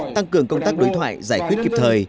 tăng cường công tác đối thoại giải quyết kịp thời